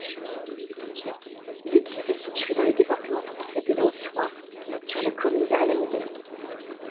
L'église est située dans le département français de la Haute-Loire, sur la commune d'Arlempdes.